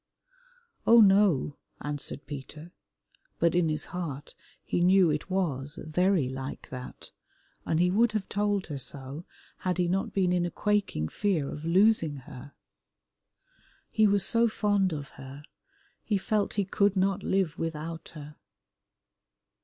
"Oh, no," answered Peter, but in his heart he knew it was very like that, and he would have told her so had he not been in a quaking fear of losing her. He was so fond of her, he felt he could not live without her.